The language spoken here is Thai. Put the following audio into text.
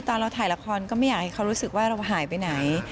ตอนเราถ่ายละครก็ไม่อยากให้เขารู้สึกว่าเราหายไปไหน